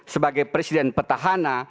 sebagai presiden petahana